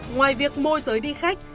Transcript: ngoài việc môi giới đi khách